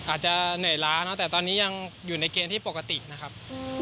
อาจจะเหนื่อยล้าเนอะแต่ตอนนี้ยังอยู่ในเกณฑ์ที่ปกตินะครับ